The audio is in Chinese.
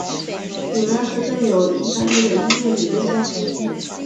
里曼是最有影响力的音乐理论家之一。